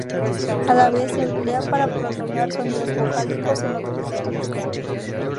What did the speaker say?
A la vez se emplea para prolongar sonidos vocálicos en otras lenguas.